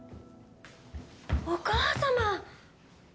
お母様！